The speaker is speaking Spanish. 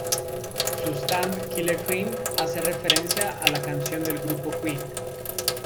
Su Stand, Killer Queen, hace referencia a la canción del grupo Queen.